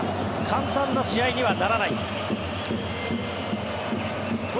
簡単な試合にはならないと。